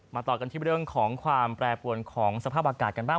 ต่อกันที่เรื่องของความแปรปวนของสภาพอากาศกันบ้าง